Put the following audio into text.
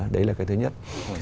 đấy là cái thứ nhất